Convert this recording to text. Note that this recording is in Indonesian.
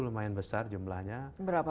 lumayan besar jumlahnya berapa